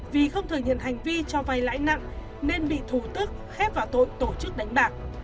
vì không thừa nhận hành vi cho vay lãi nặng nên bị thủ tức khép vào tội tổ chức đánh bạc